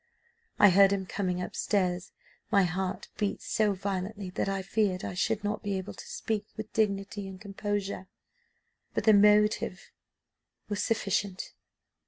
"I heard him coming up stairs: my heart beat so violently that I feared I should not be able to speak with dignity and composure, but the motive was sufficient.